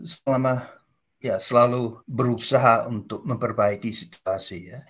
selama ya selalu berusaha untuk memperbaiki situasinya